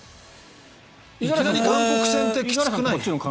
いきなり韓国戦ってきつくない？